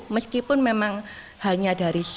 meskipun memang hanya dari